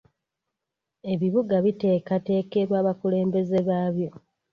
Ebibuga biteekateekerwa abakulembeze baabyo.